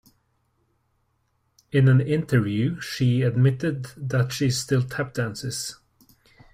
In an interview, she admitted that she still tap dances.